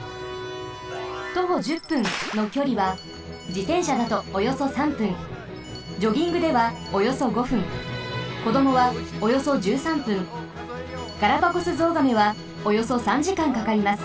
「徒歩１０分」のきょりはじてんしゃだとおよそ３分ジョギングではおよそ５分こどもはおよそ１３分ガラパゴスゾウガメはおよそ３時間かかります。